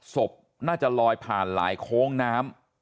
ศพน่าจะลอยผ่านหลายโค้งน้ำ